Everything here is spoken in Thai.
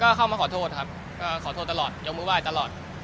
ก็เข้ามาขอโทษครับก็ขอโทษตลอดยกมือไหว้ตลอด